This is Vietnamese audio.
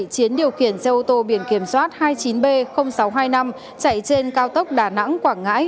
chiến điều khiển xe ô tô biển kiểm soát hai mươi chín b sáu trăm hai mươi năm chạy trên cao tốc đà nẵng quảng ngãi